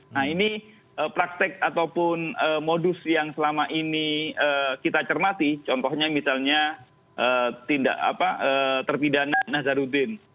nah ini praktek ataupun modus yang selama ini kita cermati contohnya misalnya terpidana nazarudin